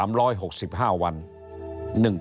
เพราะฉะนั้นท่านก็ออกโรงมาว่าท่านมีแนวทางที่จะทำเรื่องนี้ยังไง